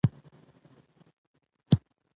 د کابل هوا ولې ککړه ده؟